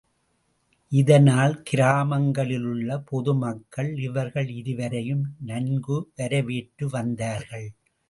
இதனால், கிராமங்களிலுள்ள பொதுமக்கள் இவர்கள் இருவரையும் நன்கு வரவேற்று வந்தார்கள்.